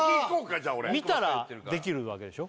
じゃあ俺見たらできるわけでしょ？